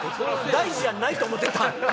大事じゃないと思ってた？